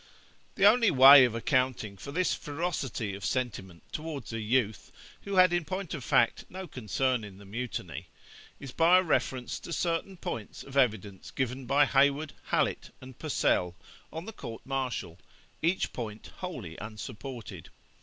The only way of accounting for this ferocity of sentiment towards a youth, who had in point of fact no concern in the mutiny, is by a reference to certain points of evidence given by Hayward, Hallet, and Purcell on the court martial, each point wholly unsupported.